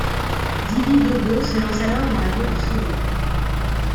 Dibi Dobo se lance alors dans la voie du solo.